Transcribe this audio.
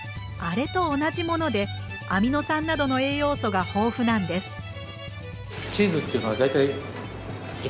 あれと同じものでアミノ酸などの栄養素が豊富なんです。